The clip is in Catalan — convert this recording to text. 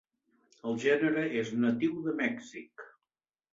El gènere és natiu de Mèxic.